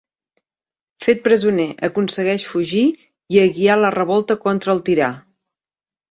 Fet presoner, aconsegueix fugir i a guiar la revolta contra el tirà.